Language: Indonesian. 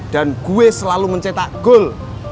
dan gue selalu mencetak gol